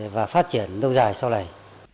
và phát triển lâu dài sau này